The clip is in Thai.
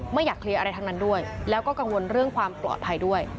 ไม่อยากเคลียร์อะไรทั้งนั้นด้วยแล้วก็กังวลเรื่องความปลอดภัยด้วย